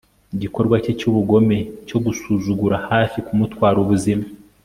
Igikorwa cye cyubugome cyo gusuzugura hafi kumutwara ubuzima